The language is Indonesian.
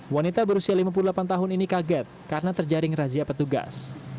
wanita berusia lima puluh delapan tahun ini kaget karena terjaring razia petugas